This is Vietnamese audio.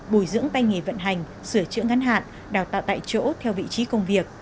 bồi dưỡng tay nghề vận hành sửa chữa ngắn hạn đào tạo tại chỗ theo vị trí công việc